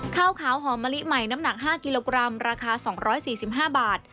ข้าวขาวหอมมะลิใหม่น้ำหนัก๕กิโลกรัมราคา๒๔๕บาท